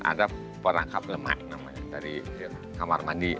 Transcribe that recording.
ada perangkap lemak namanya dari kamar mandi